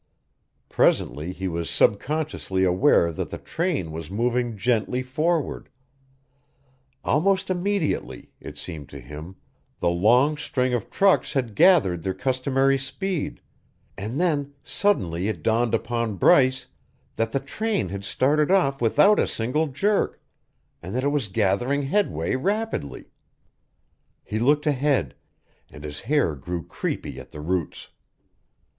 Presently he was subconsciously aware that the train was moving gently forward; almost immediately, it seemed to him, the long string of trucks had gathered their customary speed; and then suddenly it dawned upon Bryce that the train had started off without a single jerk and that it was gathering headway rapidly. He looked ahead and his hair grew creepy at the roots.